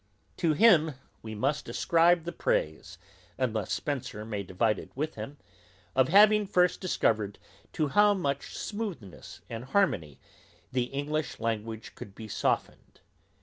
To him we must ascribe the praise, unless Spenser may divide it with him, of having first discovered to how much smoothness and harmony the English language could be softened.